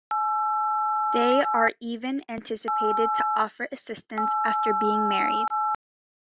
They are even anticipated to offer assistance after being married.